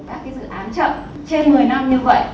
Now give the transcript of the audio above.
các dự án chậm trên một mươi năm như vậy